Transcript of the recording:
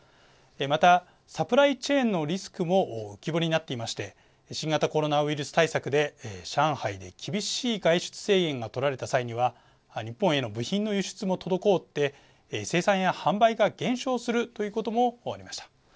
また、サプライチェーンのリスクも浮き彫りになっていまして新型コロナウイルス対策で上海で厳しい外出制限が取られた際には日本への部品の輸出も滞って生産や販売が減少するということもありました。